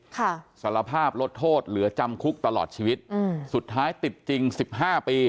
สารภาพลดโทษเหลือจำคุกตลอดชีวิตอืมสุดท้ายติดจริงสิบห้าปี